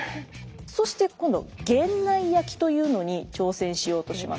そして今度源内焼きというのに挑戦しようとします。